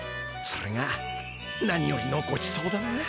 それが何よりのごちそうだな。